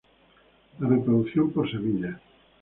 La reproducción por semillas.